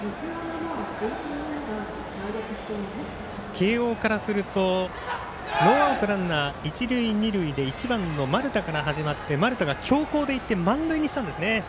慶応からするとノーアウト、ランナー、一塁二塁１番の丸田から始まって丸田が強攻でいって満塁にしたんですね。